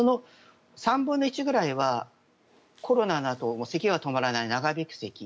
３分の１ぐらいはコロナのあとせきが止まらない長引くせき。